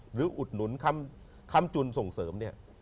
หรืออุดหนุนคำจุนส่งเสริม